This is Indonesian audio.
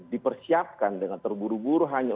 dipersiapkan dengan terburu buru hanya